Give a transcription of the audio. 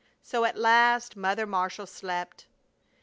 So at last Mother Marshall slept.